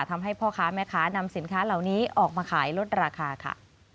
ทำให้พ่อค้าแม่ค้านำสินค้าเหล่านี้ออกมาขายลดราคาค่ะ